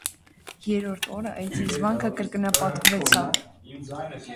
Երրորդ օրն այդ զզվանքը կրկնապատկվեցավ…